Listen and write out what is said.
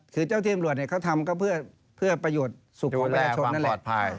คือเจ้าที่อำรวจเขาทำก็เพื่อประโยชน์สุขของแว่ชน